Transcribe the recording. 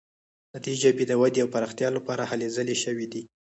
د دې ژبې د ودې او پراختیا لپاره هلې ځلې شوي دي.